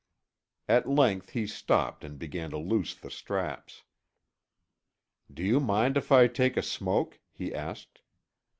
At length he stopped and began to loose the straps. "Do you mind if I take a smoke?" he asked.